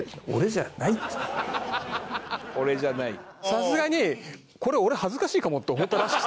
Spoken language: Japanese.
さすがにこれ俺恥ずかしいかもって思ったらしくて。